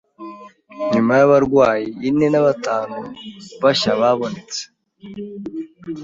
Nyuma y’abarwayi ine nabatanu bashya babonetse,